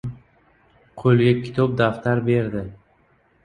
Qo‘liga kitob-daftar berdi.